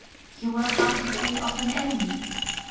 "You were about to say, of an enemy!"